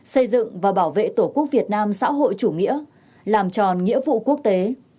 xây dựng và bảo vệ tổ quốc việt nam xã hội chủ nghĩa làm tròn nghĩa vụ quốc tế